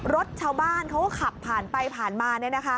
รถชาวบ้านเขาก็ขับผ่านไปผ่านมา